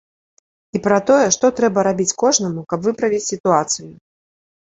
І пра тое, што трэба рабіць кожнаму, каб выправіць сітуацыю.